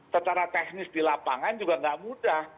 secara teknis di lapangan juga tidak mudah